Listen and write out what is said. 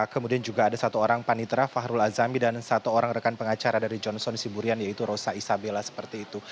kemudian juga ada satu orang panitra fahrul azami dan satu orang rekan pengacara dari johnson siburian yaitu rosa isabella seperti itu